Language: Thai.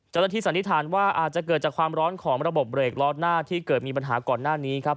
สันนิษฐานว่าอาจจะเกิดจากความร้อนของระบบเบรกล้อหน้าที่เกิดมีปัญหาก่อนหน้านี้ครับ